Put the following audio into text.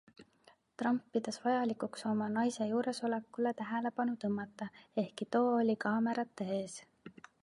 Trump pidas vajalikuks oma naise juuresolekule tähelepanu tõmmata, ehkki too oli kaamerata ees.